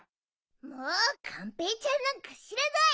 もうがんぺーちゃんなんかしらない！